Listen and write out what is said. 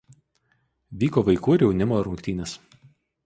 Vyko vaikų ir jaunimo rungtynės.